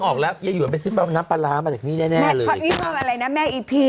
นางก็ซื้มมันอย่างไรน่ะ